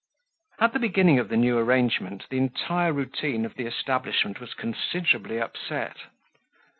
At the beginning of the new arrangement, the entire routine of the establishment was considerably upset.